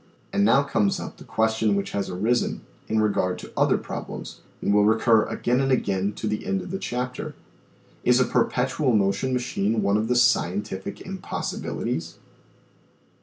And now comes up the question which has arisen in regard to other problems, and will recur again and again to the end of the chapter : Is a perpetual motion machine one of the scientific impossibilities